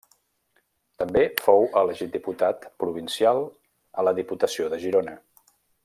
També fou elegit diputat provincial a la Diputació de Girona.